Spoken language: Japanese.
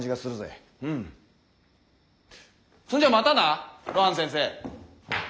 そんじゃまたな露伴先生。